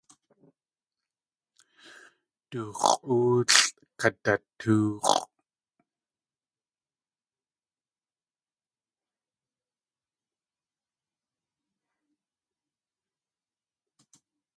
Du x̲ʼóolʼ kadatóox̲ʼ.